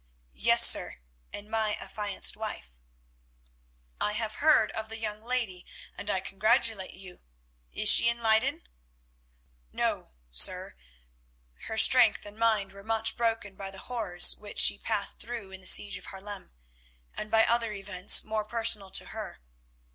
"Yes, sir, and my affianced wife." "I have heard of the young lady, and I congratulate you. Is she in Leyden?" "No, sir, her strength and mind were much broken by the horrors which she passed through in the siege of Haarlem, and by other events more personal to her.